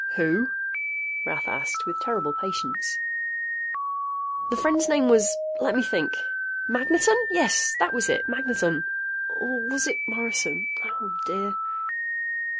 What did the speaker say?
"Who?" Rath asked, with terrible patience. "The friend's name was let me think Magneton! That was it! Magneton! Or was it Morrison? Oh, dear...."